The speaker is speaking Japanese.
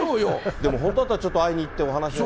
でも本当だったらちょっと会いに行って、お話しを。